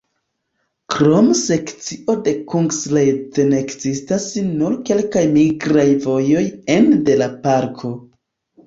Krom sekcio de la Kungsleden ekzistas nur kelkaj migraj vojoj ene de la parko.